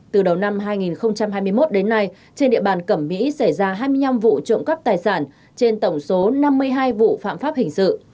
từ đầu năm hai nghìn hai mươi một đến nay trên địa bàn cẩm mỹ xảy ra hai mươi năm vụ trộm cắp tài sản trên tổng số năm mươi hai vụ phạm pháp hình sự